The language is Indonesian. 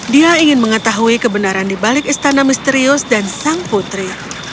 dia ingin mengetahui kebenaran di balik istana misterius dan sang putri